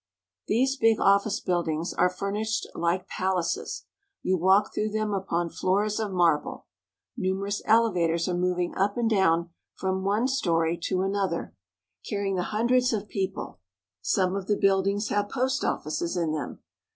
These big office buildings are furnished like palaces. You walk through them upon floors of marble. Numerous elevators are moving up and down from one story to an A Scene on Broadway. 62 NEW YORK. Other, carrying the hundreds of people. Some of the buildings have post offices in them.